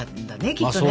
きっとね。